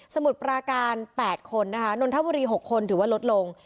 มุดปราการ๘คนนะคะนนทบุรี๖คนถือว่าลดลง